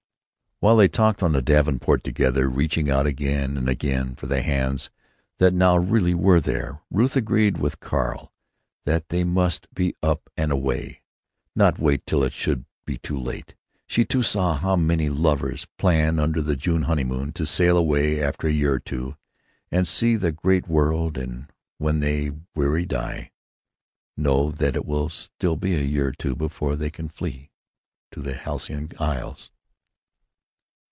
While they talked on the davenport together, reaching out again and again for the hands that now really were there, Ruth agreed with Carl that they must be up and away, not wait till it should be too late. She, too, saw how many lovers plan under the June honeymoon to sail away after a year or two and see the great world, and, when they wearily die, know that it will still be a year or two before they can flee to the halcyon isles.